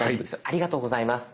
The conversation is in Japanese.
ありがとうございます。